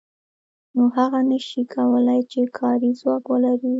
نو هغه نشي کولای چې کاري ځواک ولري